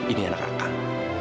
ini anak akan